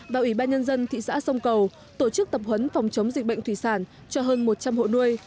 và ủy ban nhân dân thị xã sông cầu tổ chức tập huấn phòng chống dịch bệnh thủy sản cho hơn một trăm linh hộ nuôi